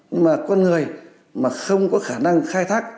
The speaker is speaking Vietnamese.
nhưng mà con người mà không có khả năng khai thác